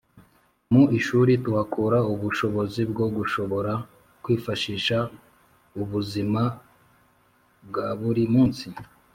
mu ishuri tuhakura ubushobozi bwo gushobora kwifashiha u buzima bwaburi munsi